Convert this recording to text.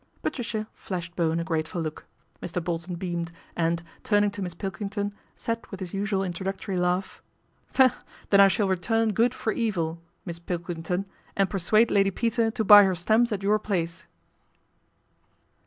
Patricia flashed Bowen a grateful look. Mr. 202 PATRICIA BRENT, SPINSTER Bolton beamed and, turning to Miss Pilkington, said with his usual introductory laugh: " Then I shall return good for evil, Miss Pilking ton, and persuade Lady Peter to buy her stamps at your place."